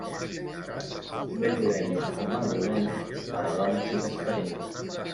Bé volent o mal volent, de la dona sigues parent.